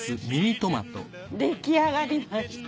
出来上がりました。